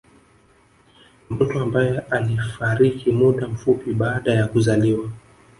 Mtoto ambae alifariki muda mfupi baada ya kuzaliwa